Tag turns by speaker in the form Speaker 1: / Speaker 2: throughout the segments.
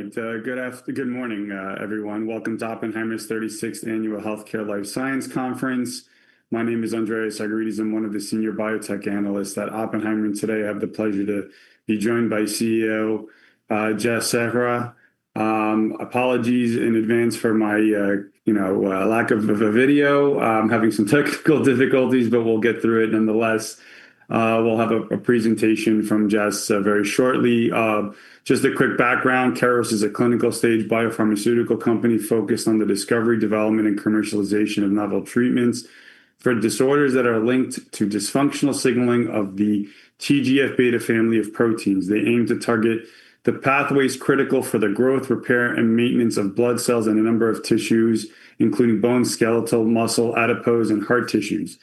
Speaker 1: All right, good morning, everyone. Welcome to Oppenheimer's 36th Annual Healthcare Life Sciences conference. My name is Andreas Argyrides. I'm one of the senior biotech analysts at Oppenheimer. Today I have the pleasure to be joined by CEO Jasbir Seehra. Apologies in advance for my, you know, lack of a video. I'm having some technical difficulties, but we'll get through it nonetheless. We'll have a presentation from Jas very shortly. Just a quick background. Keros is a clinical-stage biopharmaceutical company focused on the discovery, development, and commercialization of novel treatments for disorders that are linked to dysfunctional signaling of the TGF-β superfamily of proteins. They aim to target the pathways critical for the growth, repair, and maintenance of blood cells in a number of tissues, including bone, skeletal, muscle, adipose, and heart tissues.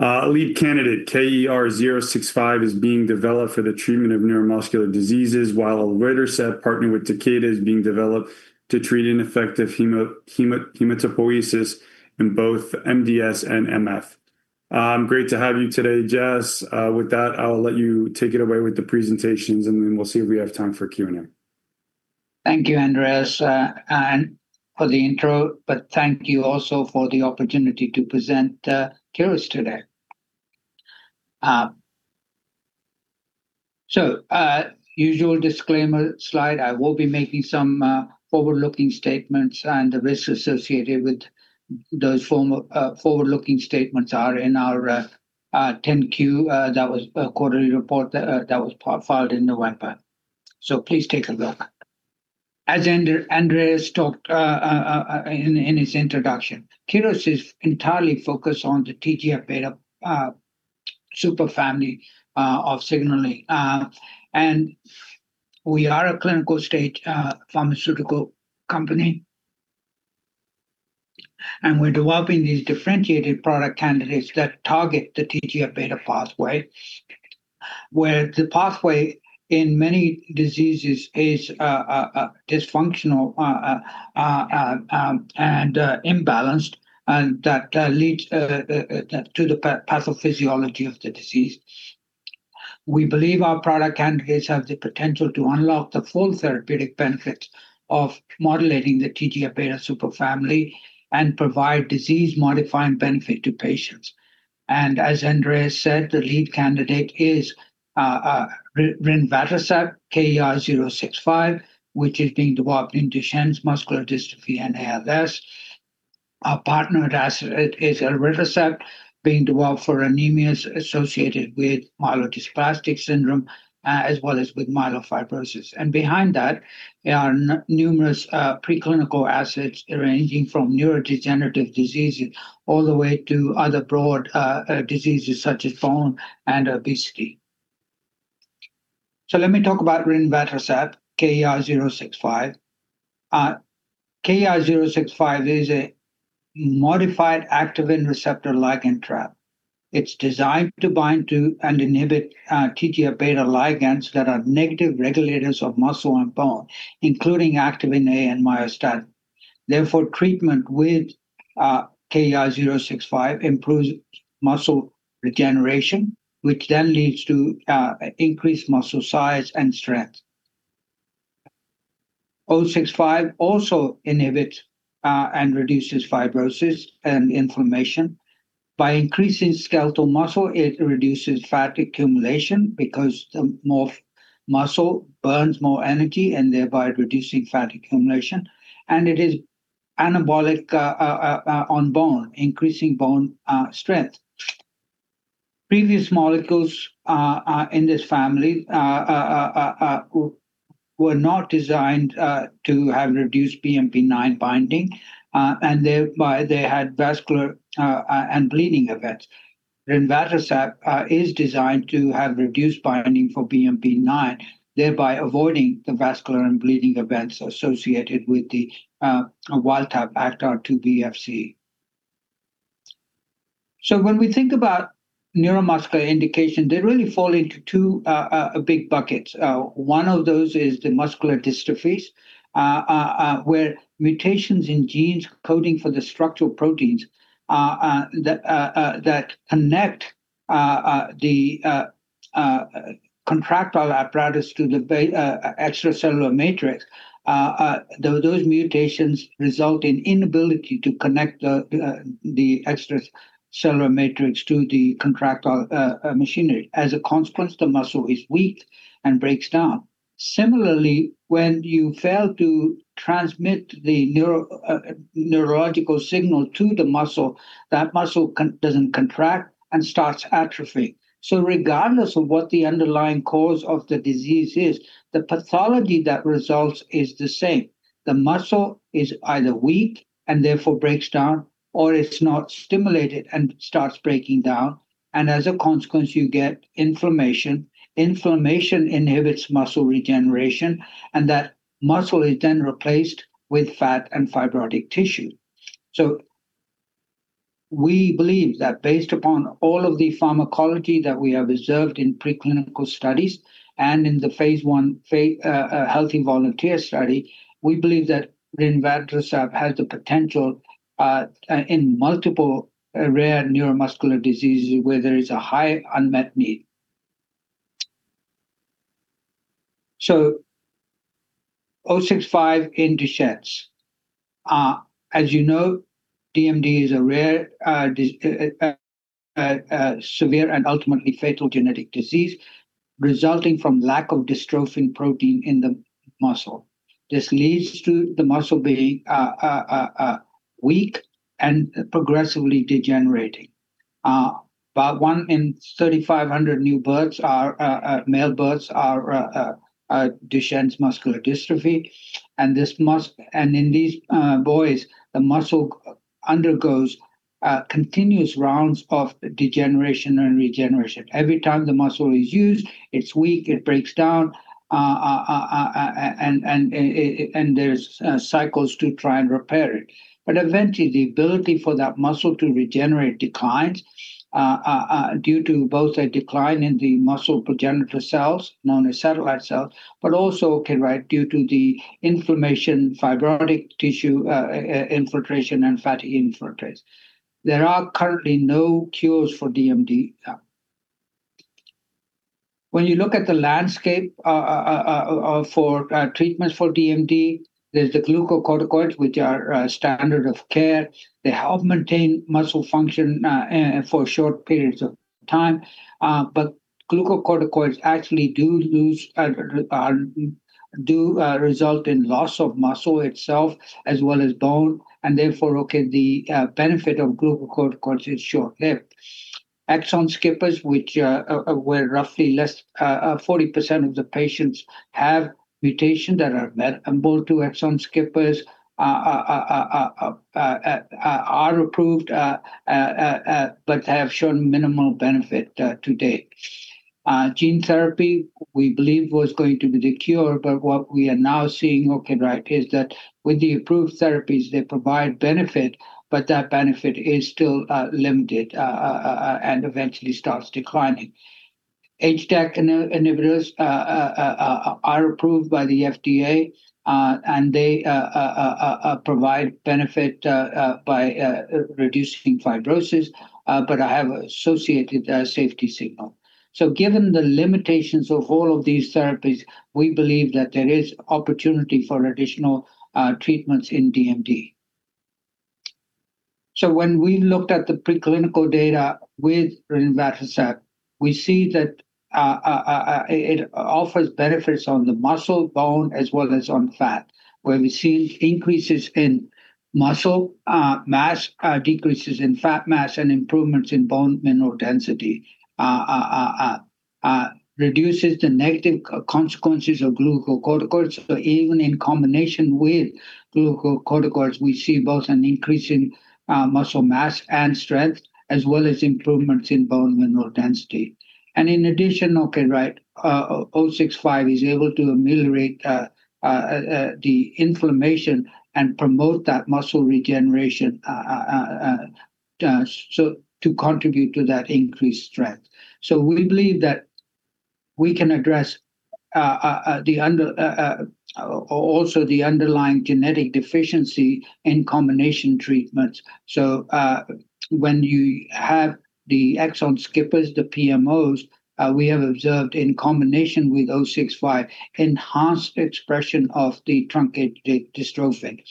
Speaker 1: Lead candidate, KER-065, is being developed for the treatment of neuromuscular diseases, while elritercept, partnered with Takeda, is being developed to treat ineffective hematopoiesis in both MDS and MF. Great to have you today, Jas. With that, I'll let you take it away with the presentations, and then we'll see if we have time for Q&A.
Speaker 2: Thank you, Andreas, and for the intro. Thank you also for the opportunity to present Keros today. Usual disclaimer slide, I will be making some forward-looking statements, and the risks associated with those form forward-looking statements are in our 10-Q. That was a quarterly report that was part filed in the webcam. Please take a look. As Andreas talked in his introduction, Keros is entirely focused on the TGF-β superfamily of signaling. We are a clinical-stage pharmaceutical company, and we're developing these differentiated product candidates that target the TGF-β pathway, where the pathway in many diseases is dysfunctional, imbalanced, and that leads to the pathophysiology of the disease. We believe our product candidates have the potential to unlock the full therapeutic benefit of modulating the TGF-β superfamily and provide disease-modifying benefit to patients. As Andreas said, the lead candidate is rinvatercept (KER-065), which is being developed into Duchenne muscular dystrophy and ALS. Our partner drug, it is elritercept, being developed for anemia associated with myelodysplastic syndrome, as well as with myelofibrosis. Behind that, there are numerous preclinical assets ranging from neurodegenerative diseases all the way to other broad diseases such as bone and obesity. Let me talk about rinvatercept (KER-065). KER-065 is a modified activin receptor ligand trap. It's designed to bind to and inhibit TGF-β ligands that are negative regulators of muscle and bone, including activin A and myostatin. Therefore, treatment with KER-065 improves muscle regeneration, which then leads to increased muscle size and strength. KER-065 also inhibits and reduces fibrosis and inflammation. By increasing skeletal muscle, it reduces fat accumulation because the more muscle burns more energy and thereby reducing fat accumulation, and it is anabolic on bone, increasing bone strength. Previous molecules in this family were not designed to have reduced BMP9 binding, and thereby they had vascular and bleeding events. Rinvatercept is designed to have reduced binding for BMP9, thereby avoiding the vascular and bleeding events associated with the wild type ActRIIB-Fc. When we think about neuromuscular indication, they really fall into two big buckets. One of those is the muscular dystrophies, where mutations in genes coding for the structural proteins that connect the contractile apparatus to the extracellular matrix, those mutations result in inability to connect the extracellular matrix to the contractile machinery. As a consequence, the muscle is weak and breaks down. Similarly, when you fail to transmit the neurological signal to the muscle, that muscle doesn't contract and starts atrophy. Regardless of what the underlying cause of the disease is, the pathology that results is the same. The muscle is either weak and therefore breaks down, or it's not stimulated and starts breaking down, and as a consequence, you get inflammation. Inflammation inhibits muscle regeneration, and that muscle is then replaced with fat and fibrotic tissue. We believe that based upon all of the pharmacology that we have observed in preclinical studies and in the phase I healthy volunteer study, we believe that rinvatercept has the potential in multiple rare neuromuscular diseases where there is a high unmet need. KER-065 in Duchenne's. As you know, DMD is a rare, severe and ultimately fatal genetic disease resulting from lack of dystrophin protein in the muscle. This leads to the muscle being weak and progressively degenerating. About one in 3,500 new births are male births are Duchenne muscular dystrophy, and in these boys, the muscle undergoes continuous rounds of degeneration and regeneration. Every time the muscle is used, it's weak, it breaks down, and there's cycles to try and repair it. Eventually, the ability for that muscle to regenerate declines, due to both a decline in the muscle progenitor cells, known as satellite cells, but also, due to the inflammation, fibrotic tissue, infiltration, and fatty infiltrates. There are currently no cures for DMD. When you look at the landscape, for treatments for DMD, there's the glucocorticoids, which are standard of care. They help maintain muscle function, for short periods of time, Glucocorticoids actually do lose, do result in loss of muscle itself as well as bone, and therefore, the benefit of glucocorticoids is short-lived. Exon skippers, which were roughly less, 40% of the patients have mutations that are amenable to exon skippers, are approved, but have shown minimal benefit to date. Gene therapy, we believe, was going to be the cure, but what we are now seeing is that with the approved therapies, they provide benefit, but that benefit is still limited and eventually starts declining. HDAC inhibitors are approved by the FDA, and they provide benefit by reducing fibrosis, but have associated safety signal. Given the limitations of all of these therapies, we believe that there is opportunity for additional treatments in DMD. When we looked at the preclinical data with rinvatercept, we see that it offers benefits on the muscle, bone, as well as on fat, where we see increases in muscle mass, decreases in fat mass, and improvements in bone mineral density. reduces the negative consequences of glucocorticoids. Even in combination with glucocorticoids, we see both an increase in muscle mass and strength, as well as improvements in bone mineral density. In addition, okay, right, KER-065 is able to ameliorate the inflammation and promote that muscle regeneration, so to contribute to that increased strength. We believe that we can address also the underlying genetic deficiency in combination treatments. When you have the exon skippers, the PMOs, we have observed in combination with KER-065, enhanced expression of the truncated dystrophin.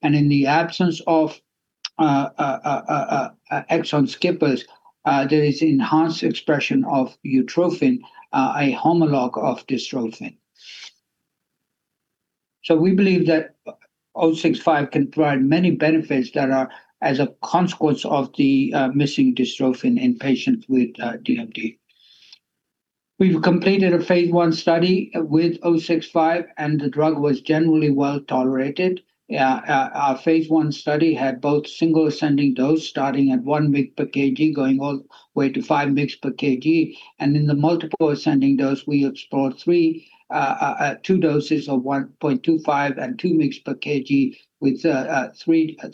Speaker 2: In the absence of exon skippers, there is enhanced expression of utrophin, a homologue of dystrophin. We believe that KER-065 can provide many benefits that are as a consequence of the missing dystrophin in patients with DMD. We've completed a phase I study with KER-065, the drug was generally well tolerated. Our phase I study had both single ascending dose, starting at 1 mg/kg, going all the way to 5 mg/kg. In the multiple ascending dose, we explored two doses of 1.25 mg/kg and 2 mg/kg, with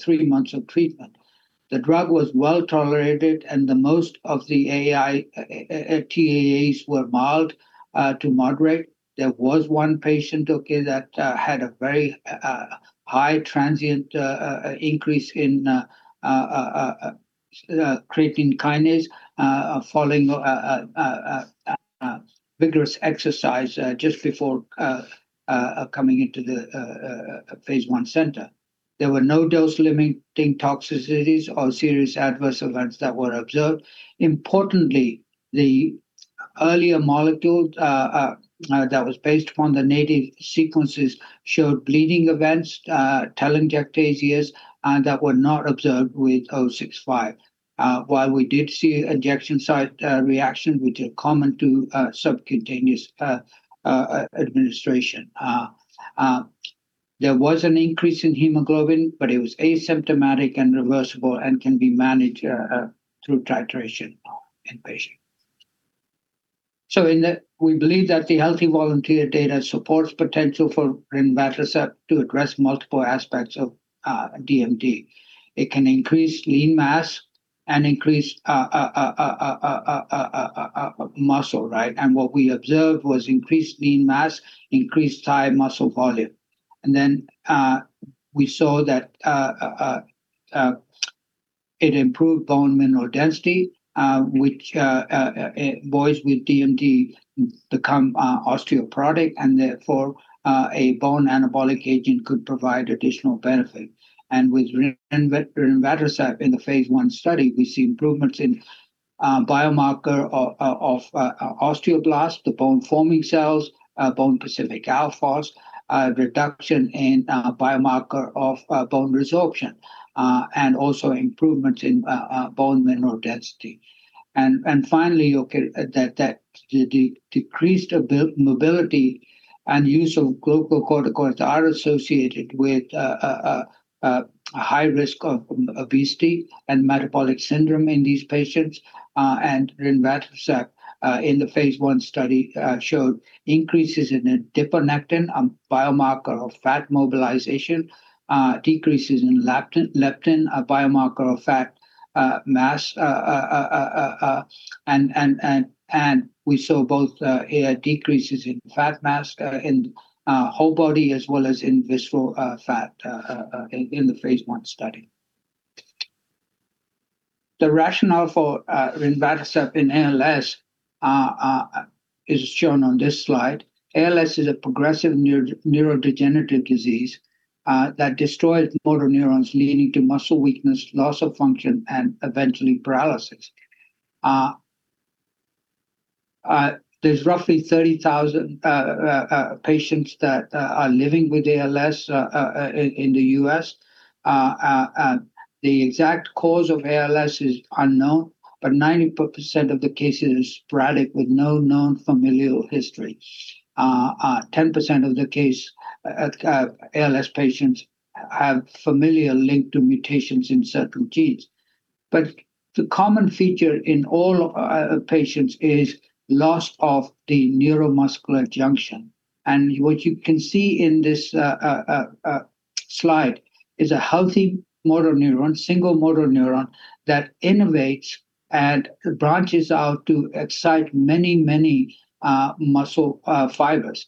Speaker 2: three months of treatment. The drug was well tolerated, and the most of the [AI TAAs] were mild to moderate. There was one patient, okay, that had a very high transient increase in creatine kinase following vigorous exercise just before coming into the phase I center. There were no dose-limiting toxicities or serious adverse events that were observed. Importantly, the earlier molecule that was based upon the native sequences, showed bleeding events, telangiectasias, and that were not observed with KER-065. While we did see injection site reaction, which are common to subcutaneous administration. There was an increase in hemoglobin, but it was asymptomatic and reversible and can be managed through titration in patients. We believe that the healthy volunteer data supports potential for rinvatercept to address multiple aspects of DMD. It can increase lean mass and increase muscle, right? What we observed was increased lean mass, increased thigh muscle volume. We saw that it improved bone mineral density, which boys with DMD become osteoporotic, and therefore, a bone anabolic agent could provide additional benefit. With rinvatercept in the phase I study, we see improvements in biomarker of osteoblasts, the bone-forming cells, bone-specific alkaline phosphatase, reduction in biomarker of bone resorption, and also improvements in bone mineral density. Finally, the decreased mobility and use of glucocorticoids are associated with a high risk of obesity and metabolic syndrome in these patients. Rinvatercept in the phase one study showed increases in adiponectin, a biomarker of fat mobilization, decreases in leptin, a biomarker of fat mass. We saw both decreases in fat mass in whole body as well as in visceral fat in the phase one study. The rationale for rinvatercept in ALS is shown on this slide. ALS is a progressive neurodegenerative disease that destroys motor neurons, leading to muscle weakness, loss of function, and eventually paralysis. There's roughly 30,000 patients that are living with ALS in the U.S. The exact cause of ALS is unknown, 90% of the cases is sporadic with no known familial history. 10% of the ALS patients have familial link to mutations in certain genes. The common feature in all patients is loss of the neuromuscular junction. What you can see in this slide is a healthy motor neuron, single motor neuron that innervates and branches out to excite many muscle fibers.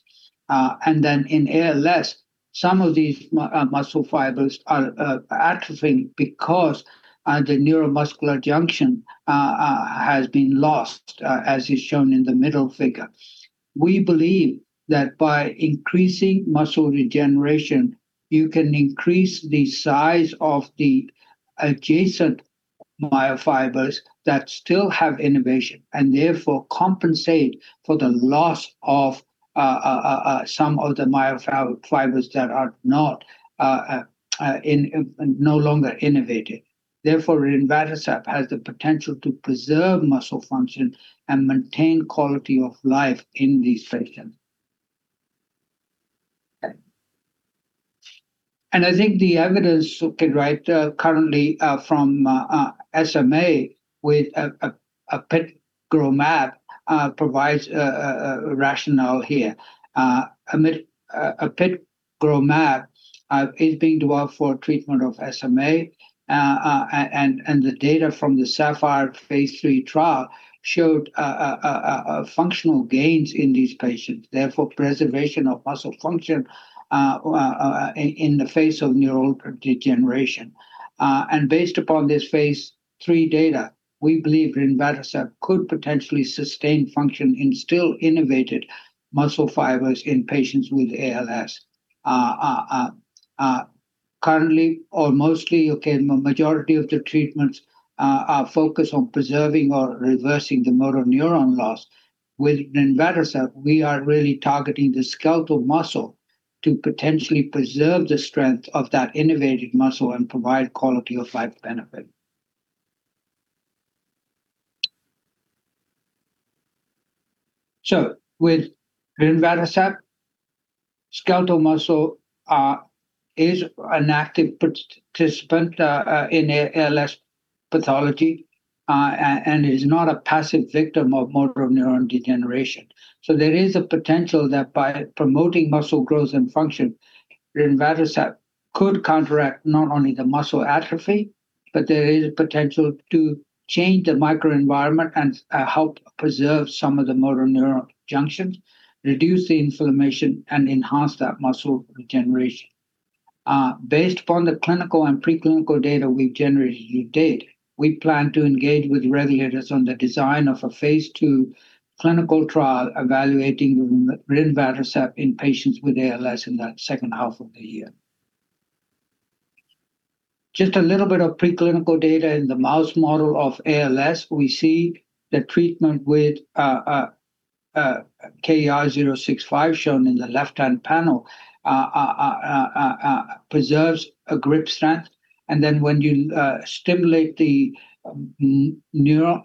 Speaker 2: In ALS, some of these muscle fibers are atrophying because the neuromuscular junction has been lost as is shown in the middle figure. We believe that by increasing muscle regeneration, you can increase the size of the adjacent myofibers that still have innervation, and therefore compensate for the loss of some of the myofibers that are no longer innervated. Therefore, rinvatercept has the potential to preserve muscle function and maintain quality of life in these patients. I think the evidence, okay, right, currently from SMA with apitegromab provides a rationale here. apitegromab is being developed for treatment of SMA. The data from the SAPPHIRE phase III trial showed functional gains in these patients, therefore, preservation of muscle function in the face of neural degeneration. Based upon this phase III data, we believe rinvatercept could potentially sustain function in still innervated muscle fibers in patients with ALS. Currently, or mostly, okay, majority of the treatments are focused on preserving or reversing the motor neuron loss. With rinvatercept, we are really targeting the skeletal muscle to potentially preserve the strength of that innervated muscle and provide quality of life benefit. With rinvatercept, skeletal muscle is an active participant in ALS pathology and is not a passive victim of motor neuron degeneration. There is a potential that by promoting muscle growth and function, rinvatercept could counteract not only the muscle atrophy, but there is a potential to change the microenvironment and help preserve some of the motor neuron junctions, reduce the inflammation, and enhance that muscle regeneration. Based upon the clinical and preclinical data we've generated to date, we plan to engage with regulators on the design of a phase II clinical trial, evaluating rinvatercept in patients with ALS in that second half of the year. Just a little bit of preclinical data in the mouse model of ALS. We see the treatment with KER-065, shown in the left-hand panel, preserves a grip strength, and then when you stimulate the nerves,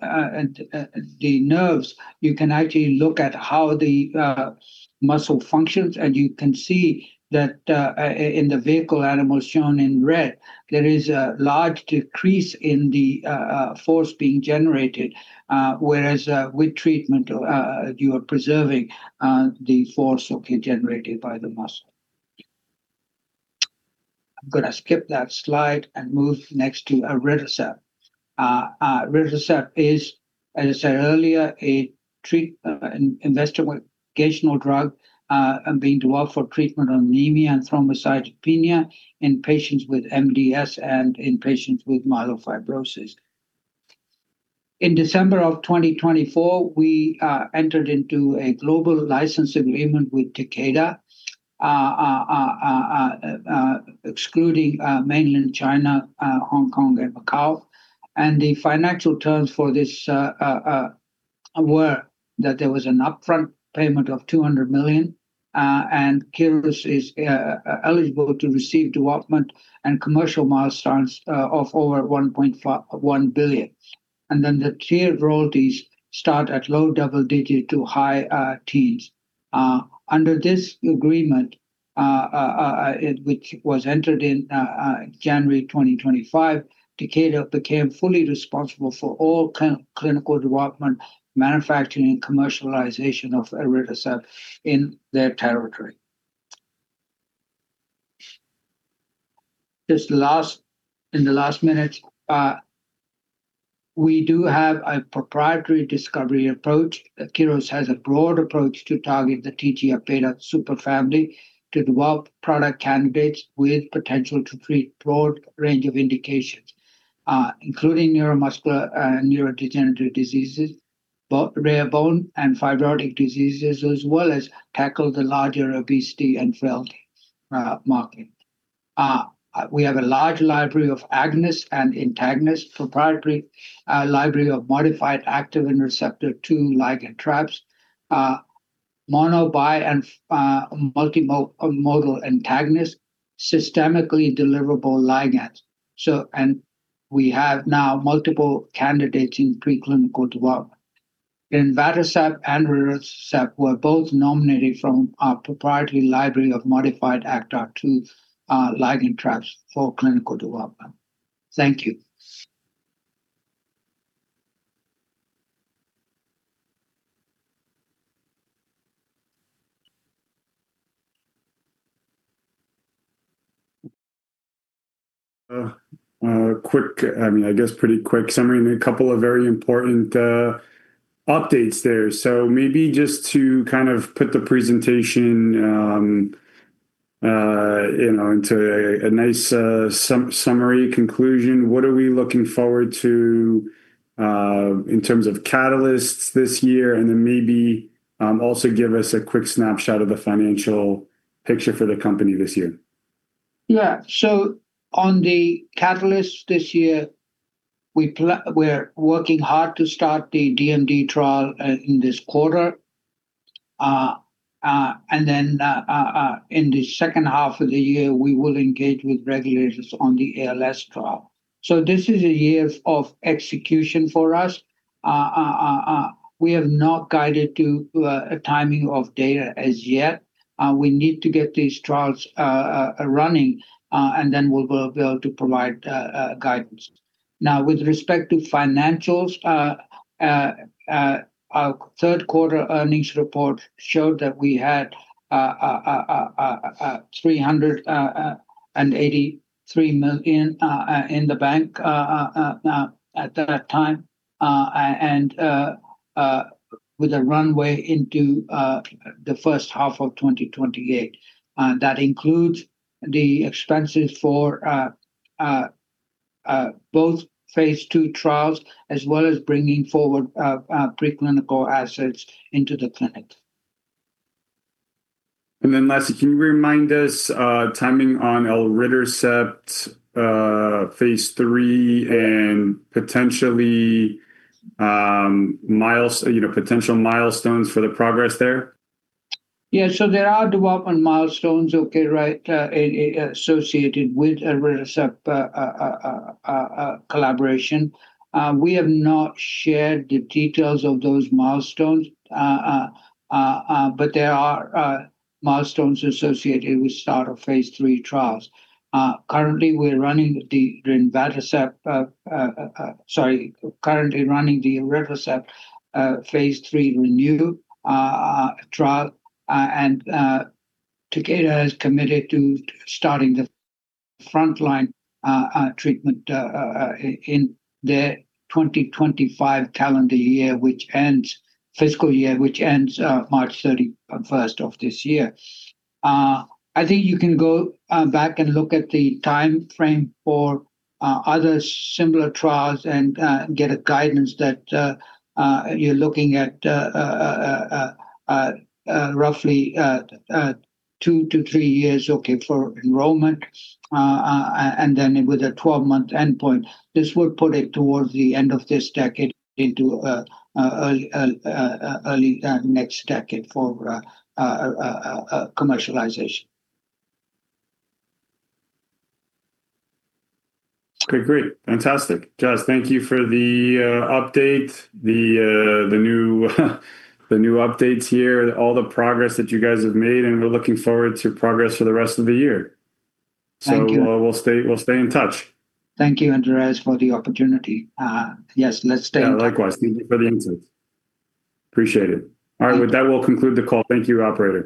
Speaker 2: you can actually look at how the muscle functions. You can see that in the vehicle animals shown in red, there is a large decrease in the force being generated, whereas with treatment, you are preserving the force okay, generated by the muscle. I'm going to skip that slide and move next to elritercept. Elritercept is, as I said earlier, an investigational drug, and being developed for treatment of anemia and thrombocytopenia in patients with MDS and in patients with myelofibrosis. In December of 2024, we entered into a global license agreement with Takeda, excluding mainland China, Hong Kong, and Macau. The financial terms for this were that there was an upfront payment of $200 million, and Keros is eligible to receive development and commercial milestones of over $1.1 billion. The tiered royalties start at low double-digit to high teens. Under this agreement, which was entered in January 2025, Takeda became fully responsible for all clinical development, manufacturing, and commercialization of elritercept in their territory. Just in the last minute, we do have a proprietary discovery approach. Keros has a broad approach to target the TGF-β superfamily to develop product candidates with potential to treat broad range of indications, including neuromuscular and neurodegenerative diseases, rare bone and fibrotic diseases, as well as tackle the larger obesity and fertility market. We have a large library of agonists and antagonists, proprietary library of modified activin receptor II ligand traps, mono, bi, and multi-modal antagonists, systemically deliverable ligands. And we have now multiple candidates in preclinical development. Rinvatercept and elritercept were both nominated from our proprietary library of modified ActRIIB-Fc ligand traps for clinical development. Thank you.
Speaker 1: Quick, I mean, I guess pretty quick summary and a couple of very important updates there. Maybe just to kind of put the presentation, you know, into a nice summary conclusion, what are we looking forward to in terms of catalysts this year? Maybe, also give us a quick snapshot of the financial picture for the company this year?
Speaker 2: Yeah. On the catalysts this year, we're working hard to start the DMD trial in this quarter. In the second half of the year, we will engage with regulators on the ALS trial. This is a year of execution for us. We have not guided to a timing of data as yet. We need to get these trials running, and then we'll be able to provide guidance. Now, with respect to financials, our third quarter earnings report showed that we had $383 million in the bank at that time, and with a runway into the first half of 2028. That includes the expenses for, both phase II trials, as well as bringing forward, preclinical assets into the clinic.
Speaker 1: Then lastly, can you remind us, timing on elritercept, phase III and potentially, you know, potential milestones for the progress there?
Speaker 2: There are development milestones associated with elritercept collaboration. We have not shared the details of those milestones, but there are milestones associated with start of phase III trials. Currently, we're running the elritercept phase III RENEW trial, and Takeda is committed to starting the frontline treatment in the 2025 fiscal year, which ends March 31st of this year. I think you can go back and look at the timeframe for other similar trials and get a guidance that you're looking at roughly two to three years, okay, for enrollment and then with a 12-month endpoint. This will put it towards the end of this decade into early next decade for commercialization.
Speaker 1: Okay, great. Fantastic. Jas, thank you for the update, the new updates here, all the progress that you guys have made. We're looking forward to progress for the rest of the year.
Speaker 2: Thank you.
Speaker 1: we'll stay in touch.
Speaker 2: Thank you, Andreas, for the opportunity. Yes, let's stay in touch.
Speaker 1: Yeah, likewise. Thank you for the invite. Appreciate it.
Speaker 2: Thank you.
Speaker 1: All right, with that will conclude the call. Thank you, operator.